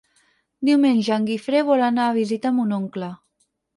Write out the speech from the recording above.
Diumenge en Guifré vol anar a visitar mon oncle.